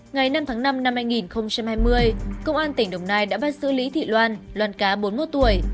ngày năm tháng năm năm hai nghìn hai mươi công an tỉnh đồng nai đã bắt giữ lý thị loan loan cá bốn mươi một tuổi